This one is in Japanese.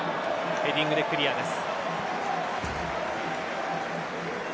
ヘディングでクリアです。